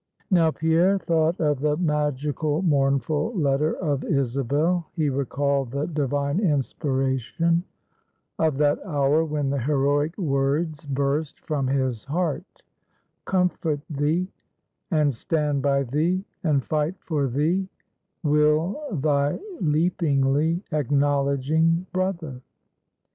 Now, Pierre thought of the magical, mournful letter of Isabel, he recalled the divine inspiration of that hour when the heroic words burst from his heart "Comfort thee, and stand by thee, and fight for thee, will thy leapingly acknowledging brother!"